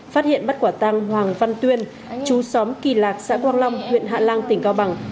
phát hiện bắt quả tăng hoàng văn tuyên chú xóm kỳ lạc xã quang long huyện hạ lan tỉnh cao bằng